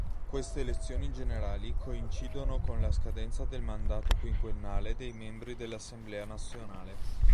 Queste elezioni generali coincidono con la scadenza del mandato quinquennale dei membri dell'Assemblea nazionale.